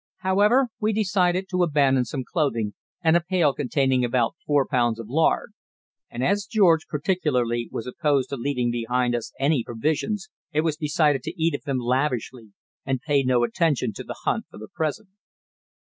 However, we decided to abandon some clothing and a pail containing about four pounds of lard; and as George, particularly, was opposed to leaving behind us any provisions, it was decided to eat of them lavishly and pay no attention to the hunt for the present.